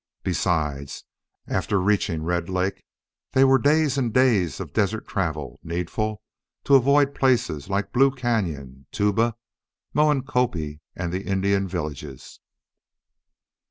Besides, after reaching Red Lake, there were days and days of desert travel needful to avoid places like Blue Cañon, Tuba, Moencopie, and the Indian villages.